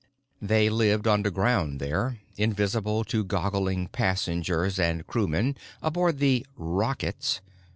They lived underground there, invisible to goggling passengers and crewmen aboard the "rockets."